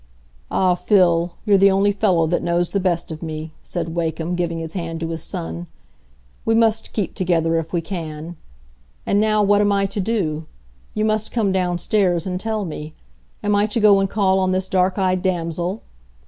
"Ah, Phil, you're the only fellow that knows the best of me," said Wakem, giving his hand to his son. "We must keep together if we can. And now, what am I to do? You must come downstairs and tell me. Am I to go and call on this dark eyed damsel?"